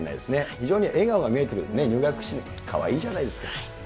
非常に笑顔の見えた入学式、かわいいじゃないですか。